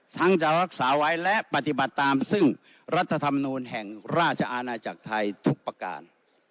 จะรักษาไว้และปฏิบัติตามซึ่งรัฐธรรมนูลแห่งราชอาณาจักรไทยทุกประการ